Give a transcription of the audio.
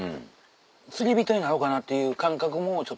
釣り人になろうかなっていう感覚もちょっと。